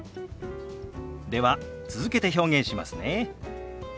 では続けて表現しますね。